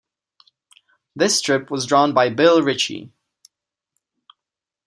This strip was drawn by Bill Ritchie.